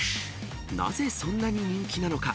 なぜそんなに人気なのか。